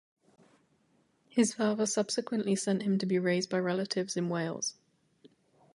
His father subsequently sent him to be raised by relatives in Wales.